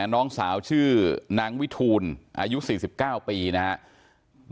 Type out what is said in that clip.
น้องสาวชื่อนางวิทูลอายุ๔๙ปีนะครับ